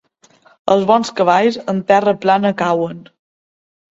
Els bons cavalls en terra plana cauen.